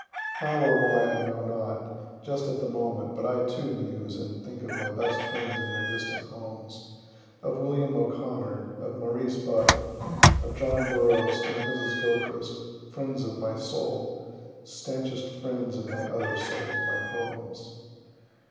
"] How or why I know not, just at the moment, but I too muse and think of my best friends in their distant homes of William O'Connor, of Maurice Bucke, of John Burroughs, and of Mrs. Gilchrist friends of my soul stanchest friends of my other soul, my poems.